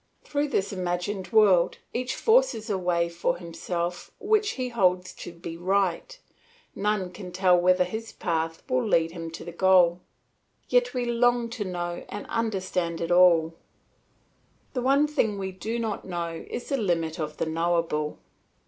Through this imagined world each forces a way for himself which he holds to be right; none can tell whether his path will lead him to the goal. Yet we long to know and understand it all. The one thing we do not know is the limit of the knowable.